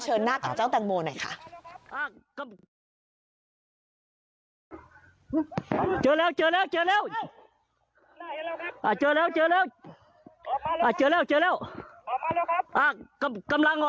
จัดกรุงจัดกรุงจัดกรุง